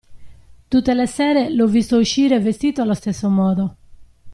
Tutte le sere l'ho visto uscire vestito allo stesso modo.